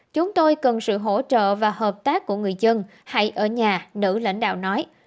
chúng tôi cần sự hỗ trợ và hợp tác của người dân hay ở nhà nữ lãnh đạo nói